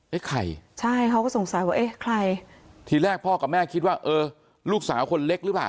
ใครใช่เขาก็สงสัยว่าเอ๊ะใครทีแรกพ่อกับแม่คิดว่าเออลูกสาวคนเล็กหรือเปล่า